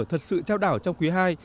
thật sự trao đảo trong khí hai